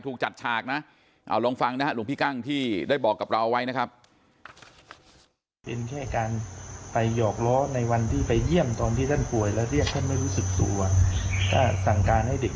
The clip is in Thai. ถูกจัดฉากนะเอาลองฟังนะฮะหลวงพี่กั้งที่ได้บอกกับเราไว้นะครับ